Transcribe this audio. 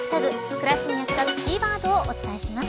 暮らしに役立つキーワードをお伝えします。